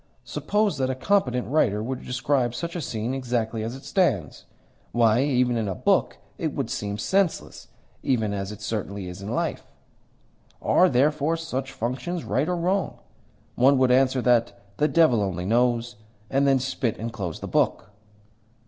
Suppose that a competent writer were to describe such a scene exactly as it stands? Why, even in a book it would seem senseless, even as it certainly is in life. Are, therefore, such functions right or wrong? One would answer that the devil alone knows, and then spit and close the book."